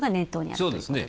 そうですね。